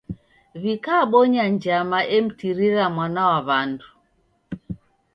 Wikabonya njama emtirira mwana wa w'andu.